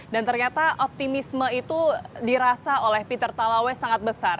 dan ternyata optimisme itu dirasa oleh peter talawai sangat besar